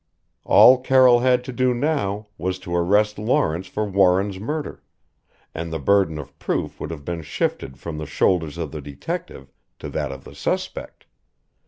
All Carroll had to do now was to arrest Lawrence for Warren's murder and the burden of proof would have been shifted from the shoulders of the detective to that of the suspect.